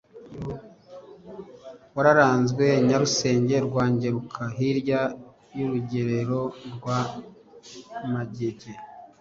Wararanzwe Nyarusange rwa Ngeruka hilya y’urugerero rwa Magege;